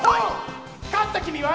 勝った君は。